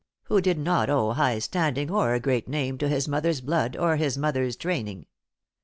who did not owe high standing, or a great name, to his mother's blood, or his mother's training.